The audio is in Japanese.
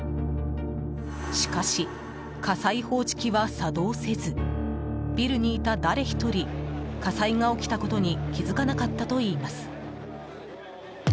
しかし火災報知機は作動せずビルにいた誰一人火災が起きたことに気付かなかったといいます。